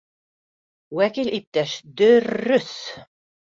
— Вәкил иптәш, дө-рө-өҫ